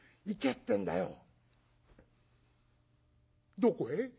「どこへ？」。